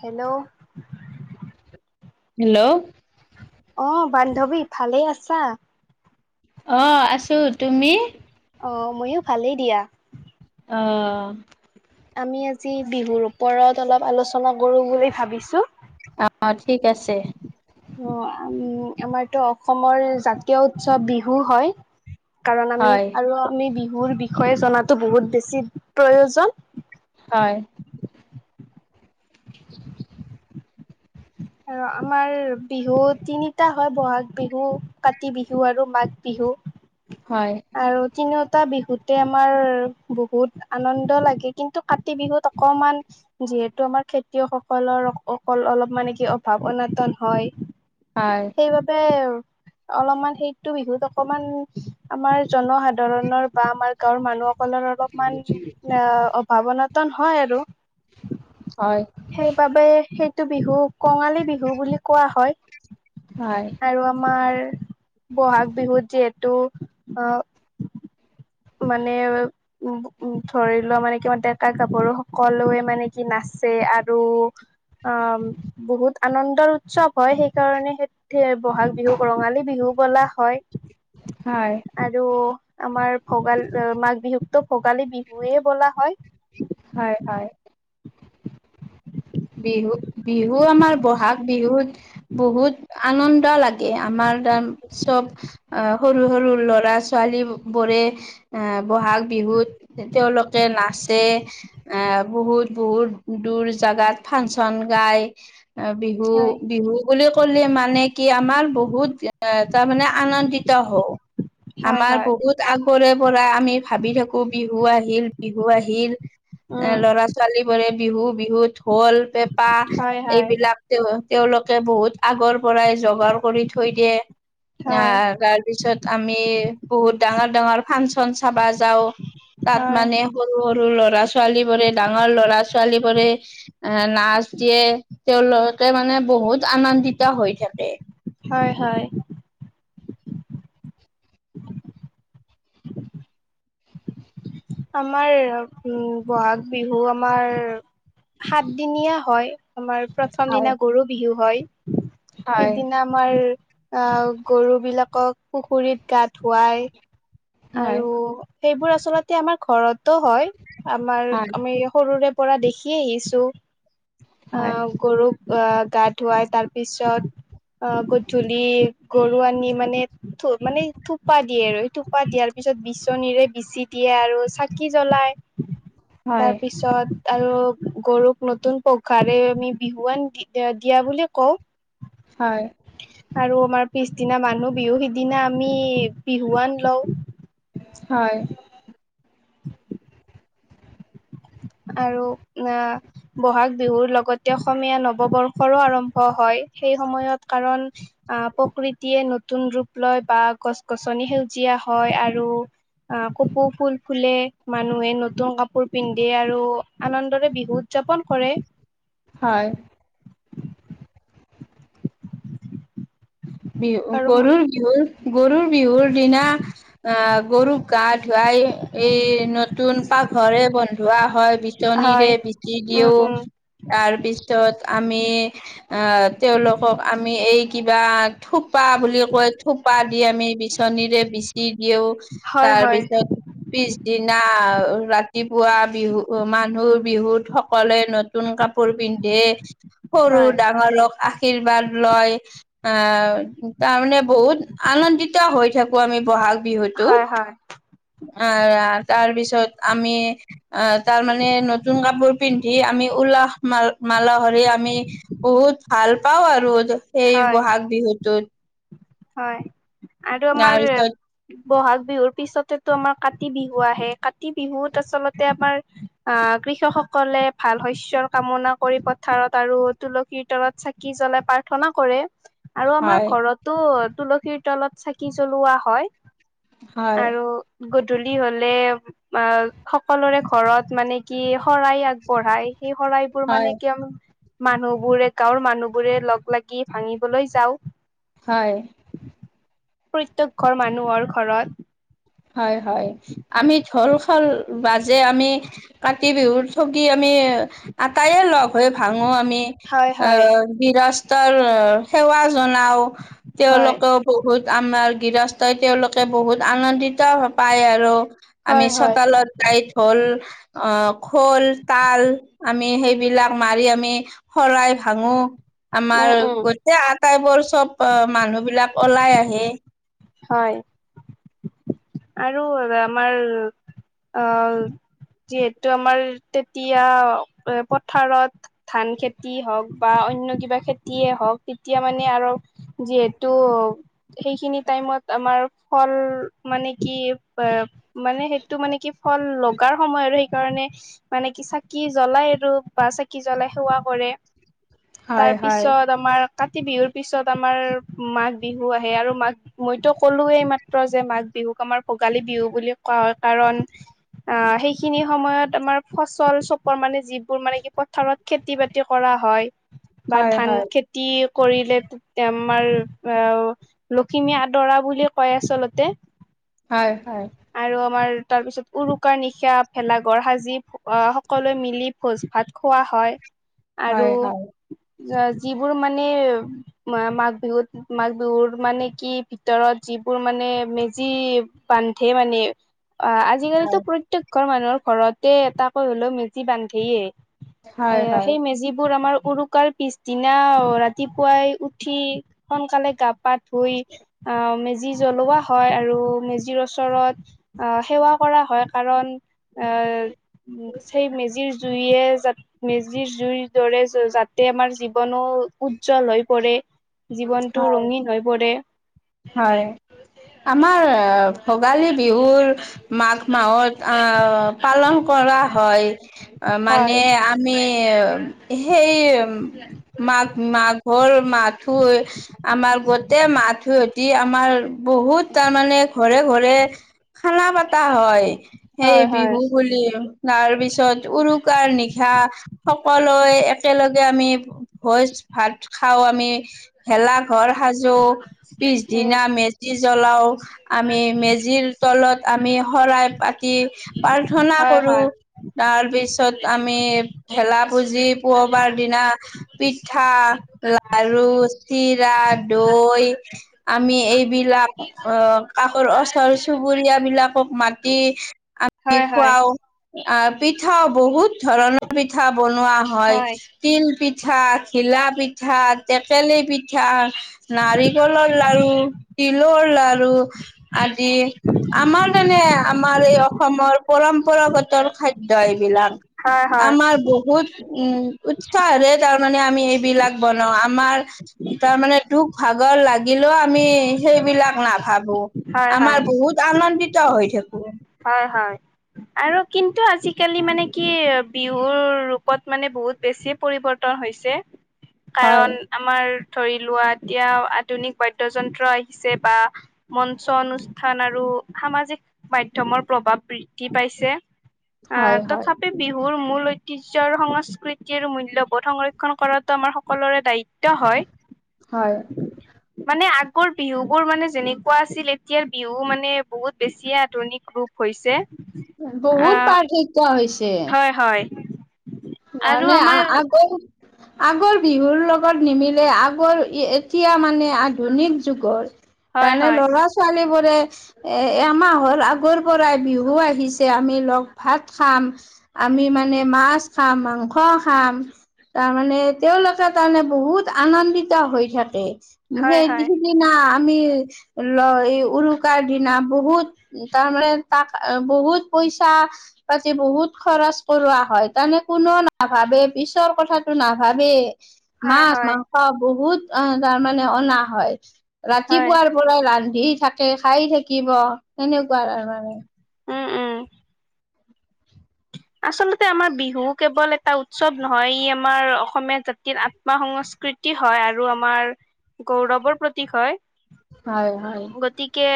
Hello. Hello. অ বান্ধৱী ভালেই আছা? অ আছো, তুমি? অ ময়ো ভালেই দিয়া অহ। আমি আজি বিহুৰ ওপৰত অলপ আলোচনা কৰোঁ বুলি ভাবিছোঁ। অ ঠিক আছে। অ উম আমাৰতো অসমৰ জাতীয় উৎসৱ বিহু হয়। কাৰণ আমি হয় আৰু আমি বিহুৰ বিষয়ে জনাটো বহুত বেছি প্ৰয়োজন। হয়। [inaudible] আৰু আমাৰ বিহু তিনিটা হয় বহাগ বিহু- কাতি বিহু আৰু মাঘ বিহু। হয় আৰু তিনিওটা বিহুতে আমাৰ বহুত আনন্দ লাগে কিন্তু কাতি বিহুত অকমান- যিহেতু আমাৰ খেতিয়কসকলৰ অকল অলপ মানে কি অভাৱ অনটন হয়। হয়। সেইবাবে, অলপমান সেইতটো বিহুত অকমান- আমাৰ জনসাধাৰণৰ বা আমাৰ গাঁওৰ মানুহসকলৰ অলপমান আ', অভাৱ বতন হয় আৰু। হয়। সেইবাবে সেইটো বিহু কঙালী বিহু বুলি কোৱা হয়। হয়। আৰু আমাৰ বহাগ বিহুত যিহেতু অ- মানে উ উ ধৰি লোৱা মানে কি ডেকা গাভৰু সকলোৱে মানে- কি নাচে আৰু আ', বহুত আনন্দৰ- চব হয় সেইকাৰণে সেই বহাগ বিহুক ৰঙালী বিহু বলা হয়। হয়। আৰু আমাৰ ভোগালী মাঘ বিহুকতো ভোগালী বিহুৱে বোলা হয়। হয় হয়। বিহু বিহু আমাৰ বহাগ বিহুত বহুত- আনন্দ লাগে আমাৰ দম চব। অ সৰু সৰু ল'ৰা ছোৱালী বোৰে অ বহাগ- বিহুত তেওঁলোকে নাচে বহুত বহুত দূৰ জাগাত- ফাংচন গাই। অ', বিহু হয় বিহু বুলি কলে মানে কি আমাৰ বহুত তাৰমানে আনন্দিত- হৈ, হয় আমাৰ হয় বহুত- আগৰে পৰা আমি ভাবি থাকো বিহু আহিল বিহু আহিল উম এ লৰা- ছোৱালী বোৰে বিহু বিহুত হল পেঁপা হয় হয় এইবিলাক- তেওঁ তেওঁলোকে বহুত আগৰ পৰাই জগাৰ কৰি থৈ দিয়ে। হয় আহ তাৰপিছত। আমি বহুত ডাঙৰ ডাঙৰ ফাংচন চাবা যাও তাত হয় মানে- সৰু সৰু লৰা ছোৱালী বোৰে ডাঙৰ লৰা ছোৱালী বোৰে- এ নাচ দিয়ে তেওঁলোকে মানে বহুত আনন্দিত হৈ থাকে। হয় হয়। [inaudible] আমাৰ উম বহাগ বিহু আমাৰ সাতদিনীয়া হয় আমাৰ প্ৰথম হয় দিনা গৰু বিহু হয়, হয় সিদিনা আমাৰ আ গৰু বিলাকক পুখুৰীত গা ধুৱাই। হয় আৰু সেইবোৰ আচলতে আমাৰ ঘৰতো হয় আমাৰ হয় আমি সৰুৰে পৰা দেখি আহিছো। হয় আহ গৰুক আহ গা ধুৱাই তাৰ পিছত আহ গধূলি গৰু আনি মানে থো মানে থোপা দিয়ে আৰু থোপা দিয়াৰ পিছত বিচনীৰে বিচি দিয়ে আৰু চাকি জ্বলাই তাৰ হয় পিছত আৰু গৰুক নতুন পঘাৰে আমি বিহুৱান দি দিয়া বুলি কওঁ। হয়। আৰু আমাৰ পিছদিনা মানুহ বিহু সিদিনা আমি বিহুৱান লও। হয়। আৰু আ বহাগ বিহুৰ লগতে অসমীয়া নৱবৰ্ষৰো আৰম্ভ হয়, সেই সময়ত কাৰণ আহ প্ৰকৃতিয়ে নতুন ৰূপ লয় বা গছ গছনি সেউজীয়া হয় আৰু আ কপৌ ফুল ফুলে, মানুহে নতুন কাপোৰ পি ন্ধে আৰু আনন্দৰে বিহু উদযাপন কৰে। হয়। বিহু আৰু গৰুৰ বিহুৰ গৰুৰ বিহুৰ দিনা আহ গৰুক গা ধুৱাই এই নতুন পাঘৰে বন্ধোৱা হয়। হয় বিচনিৰে বিচি উম দিওঁ। উম তাৰপিছত আমি তেওঁলোকক আমি এই কিবা থোপা বুলি কয়, থোপা দি আমি বিচনীৰে বিচি দিওঁ। হয় হয় তাৰপিছত পিছদিনা ৰাতিপুৱা বিহু মানুহৰ বিহুত সকলোৱে ন তুন কাপোৰ পিন্ধে। সৰু হয় ডাঙৰক আশীৰ্বাদ লয়, আহ তাৰমানে বহুত আনন্দিত হৈ থাকো আমি বহাগ বিহুতো। হয় হয় আহ', তাৰপিছত আমি আহ, তাৰমানানে নতুন কাপোৰ পিন্ধি আমি উলাস মাল মালাসৰে আমি বহুত ভাল পাওঁ আৰু সেই হয় বহাগ বিহুটোত। হয় আৰু আমাৰ তাৰপিছত বহাগ বিহুৰ পিছতেতো আমাৰ কাতি বিহু আহে, কাতি বিহুত আচলতে আমাৰ আহ', কৃষকসকলে ভাল শস্যৰ কামনা কৰি পথাৰত আৰু তুলসীৰ তলত চা কি জ্বলাই প্ৰাৰ্থনা কৰে। আৰু আমাৰ হয় ঘৰতো তুলসীৰ তলত চাকি জ্বলোৱা হয়। হয় আৰু গধূলি হ'লে আঁহ', সকলোৰে ঘৰত মানে কি শৰাই আগবঢ়ায়। সেই শৰাইবোৰ হয় মানে কিয়নো মানুহবোৰে গাঁৱৰ মানুহবোৰে লগ লাগি ভাঙিবলৈ যাওঁ। হয়। প্ৰত্যেক ঘৰ মানুহৰ ঘৰত হয় হয়। আমি ঢোল খোল বাজে আমি কাতি বিহুত ঠগী আমি আটায়ে লগ হৈ ভাঙো আমি। হয় হয় আহ গৃহস্থৰ সেৱা জনাও হয়, তেওঁলোকেও বহুত আমাৰ গৃহস্থই তেওঁলোকে বহুত আনন্দিত পায় আৰু আমি হয়, হয়, চোতালত টাইত হ'ল আহ খোল, তাল আমি সেইবিলাক মাৰি আমি শৰাই ভাঙো। আমাৰ উম, উম, গোটেই আটাইবোৰ চব মানুহ বিলাক ওলাই আহে। হয়। আৰু আমাৰ আহ যিহেতু আমাৰ তেতিয়াও পথাৰত ধান খেতি হওক বা অন্য কিবা খেতিয়ে হওক তেতিয়া মানে আৰু যিহেতু সেইখিনি টাইমত আমাৰ ফল মানে কি এ মানে সেইটো মানে কি ফল লগাৰ সময় আৰু সেইকাৰণে মানে কি চাকি জ্বলাই আৰু চাকি জ্বলাই সেৱা কৰে। তাৰ পিছত আমাৰ কাতি বিহুৰ পিছত আমাৰ মাঘ বিহু আহে আৰু মাঘ বি মইতো ক'লো এইমাত্ৰ যে মাঘ বিহুক আমাৰ ভোগালী বিহু বুলি কোৱা হয় কাৰণ আহ সেইখিনি সময়ত আমাৰ ফচল চপোৱাৰ মানে যিবোৰ মানে কি পথাৰত খেতি বাতি কৰা হয় বা হয় ধান হয় খে তি কৰিলে আমাৰ আও লখিমী আদৰা বুলি কয় আচলতে। হয় হয়। আৰু আমাৰ তাৰপিছত উৰুকাৰ নিশা ভেলাঘৰ সাজি আহ সকলোৱে মিলি ভোজ ভাত খোৱা হয় আৰু হয় হয় ৰা যিবোৰ মানেৰ মা মাঘ বিহুত মাঘ বিহুৰ মানে কি ভিতৰত যিবোৰ মানে মে যি বান্ধে মানে, আহ হয় আজিকালিতো প্ৰ তেক ঘৰ মানুহৰ ঘৰতে এটাকৈ হলেও মেজি বান্ধেয়ে। হয় [unintelligible] সেই মেজিবোৰ আমাৰ উৰুকাৰ পিছদিনা ৰাতি পুৱাই উঠি সোনকালে গা পা ধুই আহ মেজি জ্বলোৱা হয় আৰু মেজিৰ ওচৰত আহ সেৱা কৰা হয় কাৰণ আহ সেই মেজিৰ জুয়েৰ যাত মেজিৰ জুইৰ দৰে যাতে আমাৰ জী ৱনোৰ উজ্জ্বল হৈ পৰে, জীৱনতটো হয় ৰঙীন হৈ পৰে। হয় আমাৰ ভোগালী বিহুৰ মাঘ মাহত আহ পালন কৰা হয় মানে হয় আ মিৰ সেই মাঘ মাঘৰ মাথোৰ আমাৰ গোটেই মাহটো টি আমাৰ বহুত তাৰমানে ঘৰে ঘৰে খানা পতা হয়। সেই হয় হয় বিহু বুলি তাৰ পিছত উৰুকাৰ নিশা সকলোৱে একেলগে আমি ভোজ ভাত খাও আমি। ভেলা ঘৰ সাজু টো উম পিছদিনা মেজি জ্বলাওঁ আমি মেজিৰ তলত আমি শৰাই পাতি প্ৰাৰ্থনা হয় কৰো। হয় তাৰপিছত আমি ভেলা পূজিত পুৱবাৰ দিনা পিঠা, লাৰু চিৰা, দৈ আমি এইবিলাক অ কাষৰ ওচৰ চুবুৰীয়া বিলাকক মাতি আমি হয় হয় খুৱাও আহ পিঠাও বহুত ধৰণৰ পিঠা বনোৱা হয় তিল পিঠা, ঘিলা পিঠা, টেকেলি পিঠা, নাৰিকলৰ লাৰু তিলৰ লাৰু আদি আমাৰ তেনে আমাৰ এই অসমৰ পৰম্পৰাগতৰ খাদ্য এইবিলাক হয় হয় আমাৰ বহুত উম উৎসাহেৰে তাৰমানে আমি এইবিলাক বনাও আমাৰ তাৰমানে দুখ-ভাগৰ লাগ গিলেও আমি সেইবিলাক নাভাবো হয় আমাৰ হয় বহুত আনন্দিত হৈ থাকো হয় হয় আৰু কিন্তু আজি কালি মানে কি বিহুৰ ৰূপত মানে বহুত বেছিয়ে পৰিৱৰ্তন হৈছে হয় কাৰণ আমাৰ ধৰি লোৱা এতিয়া আধুনিক বাদ্যযন্ত্ৰ আহিছে বা মঞ্চ অনুষ্ঠান আৰু সামাজিক মধ্যমৰ প্ৰভাৱ বৃদ্ধি পাইছে হয় আহ হয় তথাপ বিহুৰ মূল ঐতিহ্য আৰু সংস্কৃতিৰ মূল্যবোধ সংৰক্ষণ কৰাটো আমাৰ সকলোৰে দায়ি ত্ব হয় হয় মানে আগৰ বিহু বোৰ মানে যেনেকুৱা আছিল এতিয়াৰ বিহু মানে বহুত বেছিয়ে আধুনিক গ্ৰুপ হৈছে বহুত আহ পাৰ্থক্য হৈছে হয় হয় আৰু মানে আ আমাৰ আগৰ আগৰ বিহুৰ লগত নিমিলে আগৰ এতিয়া মানে আধুনিক যুগৰ হয় তাৰনে হয় ল'ৰা-ছোৱালী বোৰে এ এমাহল আগৰ পৰাই বিহু আহিছে আমি লগ ভাত খাম আমি মানে মাছ খাম, মাংস খাম তাৰ মানে তেওঁলোকে তাৰমানে বহুত আনন্দিত হৈ থাকে হয় সেই হয় দি না আমি ল এই উৰুকাৰ দিনা বহুত উ তাৰমানে তাক বহুত পইচা পাতি বহুত খৰচ কৰোৱা হয় তানে কোনো নাভাবে পিছৰ কথাটো নাভাবে হয় মাছ, হয় মাং স বহুত অ' তাৰমানে অনা হয় হয় ৰাতিপুৱাৰ পৰাই ৰান্ধি থাকে, খাই থাকিব সেনেকুৱা তাৰমানে। উম উম। আচলতে আমাৰ বিহু কেৱল এটা উৎসৱ নহয় ই আমাৰ অসমীয়া জাতিৰ আ ত্ম সংস্কৃতি হয় আৰু আমাৰ গৌৰৱৰ প্ৰতীক হয়। হয় হয় গ তিকে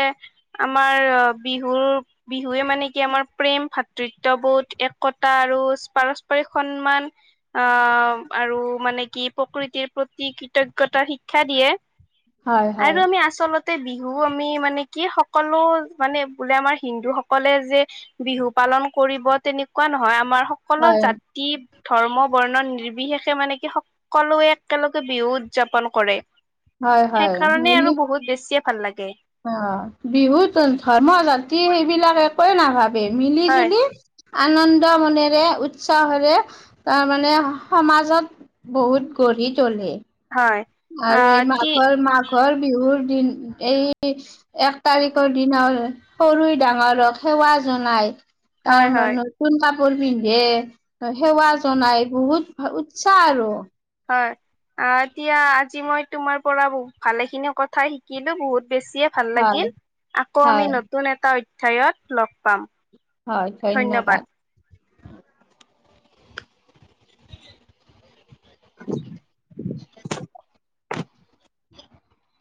আমাৰ বিহুৰ বিহুৱে মানে কি আমাৰ প্ৰেম, ভাতৃত্ববোধ, একতা আৰু পাৰস্পৰিক সন্মান আহ আৰু মানে কি প্ৰকৃতিৰ প্ৰতি কৃতজ্ঞতা শিক্ষা দিয়ে। হয় হয় আৰু আমি আচলত তে বিহু আমি মানে কি সকলো মানে বোলে আমাৰ হিন্দু সকলে যে বিহু পালন কৰিব তেনেকুৱা নহয় আমাৰ সকলো হয় জা কি, ধৰ্ম বৰ্ণন নিৰ্বিশেষে মানে কি, স কলোৱে, একেলগে বিহু উদযাপন কৰে, হয় হয় সেইকাৰণে মিলি আৰু বহুত বেছিই ভাল লাগে। অ, বিহুত ধৰ্ম জাতি সেইবিলাক একোৱে নাভাবে মিলি, হয় জুলি আনন্দ মনেৰে, উৎসাহেৰে, তাৰ মানে সমাজত বহুত গঢ়ি তোলে। হয়। আৰু এই আহ কি মাঘৰ, মাঘৰ বিহুৰ দিন, এই এক তাৰিখৰ দিনৰ, সৰু ডাঙৰক সেৱা জনাই। তাৰ হয় হয় মানত, [inaudible] সেৱা জনাই, বহুত উৎসাহ আৰু। হয়। আহ, এতিয়া আজি মই তোমাৰ পৰা ভালেখিনি কথা শিকিলো, বহুত বেছিয়ে ভাল হয় লাগিল, আকৌ আমি হয় নতুন এটা অধ্যায়ত লগ পাম। হয়, ধন্যবাদ। [inaudible] [inaudible]